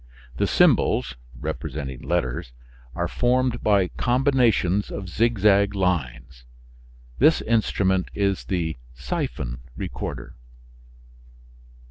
The symbols (representing letters) are formed by combinations of zigzag lines. This instrument is the syphon recorder.